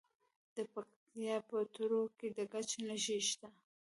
د پکتیکا په تروو کې د ګچ نښې شته.